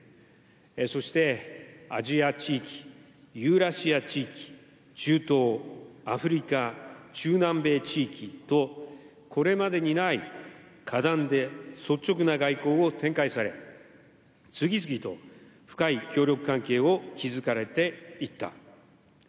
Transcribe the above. そしてアジア地域、ユーラシア地域、中東、アフリカ、中南米地域と、これまでにない果断で率直な外交を展開され、次々と深い協力関係を築かれていった。